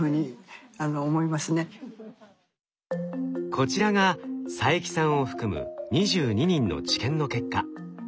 こちらが佐伯さんを含む２２人の治験の結果。